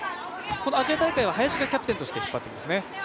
アジア大会は林がキャプテンとして引っ張っていますね。